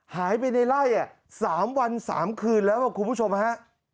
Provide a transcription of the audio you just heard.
หายไปในไล่๓วัน๓คืนแล้วคุณผู้ชมฮะ